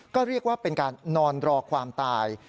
ก็เรียกว่าเป็นการนอนรอความตาย